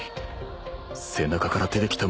背中から出てきた